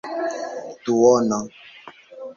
duono